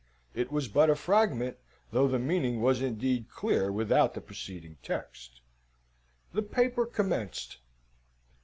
It was but a fragment, though the meaning was indeed clear without the preceding text. The paper commenced